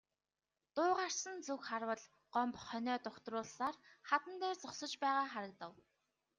Дуу гарсан зүг харвал Гомбо хонио дугтруулсаар хадан дээр зогсож байгаа харагдав.